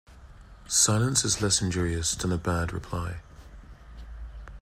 Silence is less injurious than a bad reply.